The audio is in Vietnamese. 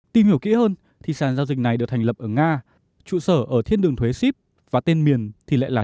tìm hiểu kỹ hơn thì sàn giao dịch này được thành lập ở nga trụ sở ở thiên đường thuế ship và tên miền thì lại là